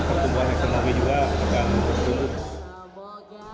dan juga ekonomi juga akan berkembang